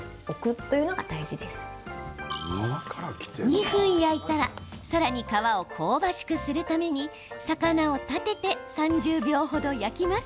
２分焼いたらさらに皮を香ばしくするために魚を立てて３０秒程、焼きます。